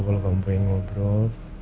kalau kamu pengen ngobrol